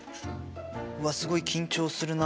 うわすごい緊張するな。